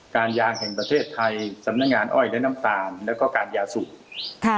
การยางแห่งประเทศไทยสำนักงานอ้อยและน้ำตาลแล้วก็การยาสูบค่ะ